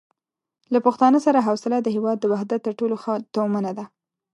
له پښتانه سره حوصله د هېواد د وحدت تر ټولو ښه تومنه ده.